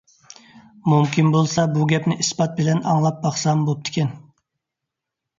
مۇمكىن بولسا، بۇ گەپنى ئىسپات بىلەن ئاڭلاپ باقسام بوپتىكەن.